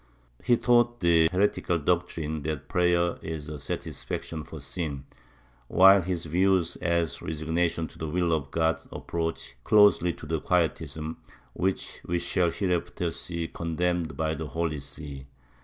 He taught the heretical doctrine that prayer is a satisfaction for sin, while his views as to resignation to the will of God approach closely to the Quietism which we shall hereafter see condenmed by the Holy See.